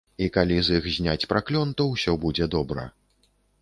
І калі з іх зняць праклён, то ўсё будзе добра.